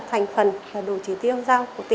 thành phần và đủ chỉ tiêu